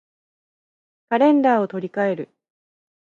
カレンダーを取り換える